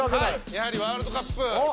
やはりワールドカップ。